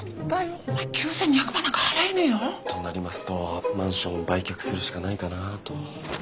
お前９，２００万なんか払えねえよ？となりますとマンションを売却するしかないかなと。